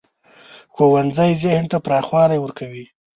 ښوونځی ذهن ته پراخوالی ورکوي